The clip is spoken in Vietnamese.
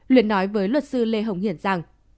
luyến nói với luật sư lê hồng hiển rằng